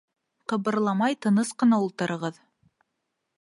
— Ҡыбырламай, тыныс ҡына ултырығыҙ.